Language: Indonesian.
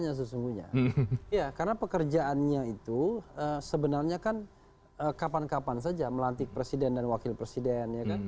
ya karena pekerjaannya itu sebenarnya kan kapan kapan saja melantik presiden dan wakil presiden